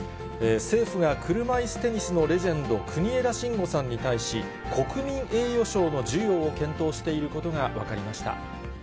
政府が、車いすテニスのレジェンド、国枝慎吾さんに対し、国民栄誉賞の授与を検討していることが分かりました。